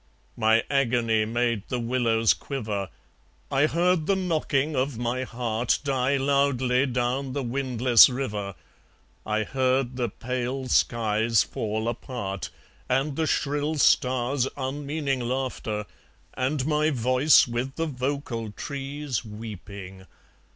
My agony made the willows quiver; I heard the knocking of my heart Die loudly down the windless river, I heard the pale skies fall apart, And the shrill stars' unmeaning laughter, And my voice with the vocal trees Weeping.